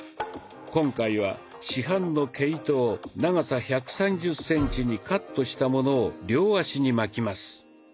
今回は市販の毛糸を長さ１３０センチにカットしたものを両足に巻きます。